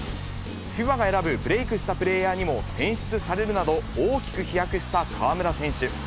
ＦＩＢＡが選ぶブレークしたプレーヤーにも選出されるなど、大きく飛躍した河村選手。